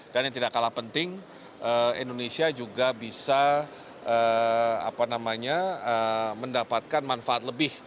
dan yang tidak kalah penting indonesia juga bisa mendapatkan manfaat lebih